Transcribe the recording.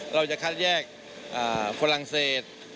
เราจะคัดแยกฝรั่งเศส